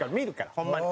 ホンマに。